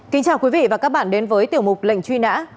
kính chào quý vị và các bạn đến với tiểu mục lệnh truy nã